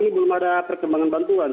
ini belum ada perkembangan bantuan